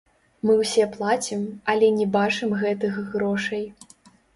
Мы ўсе плацім, але не бачым гэтых грошай.